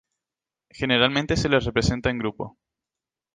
Generalmente se les representa en grupo.